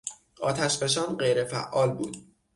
آتشفشان غیرفعال بود.